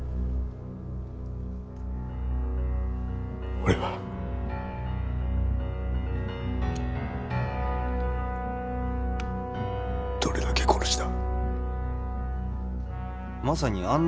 俺はどれだけ殺した？